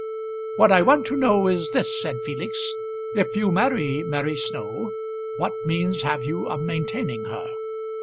"What I want to know is this," said Felix. "If you marry Mary Snow, what means have you of maintaining her?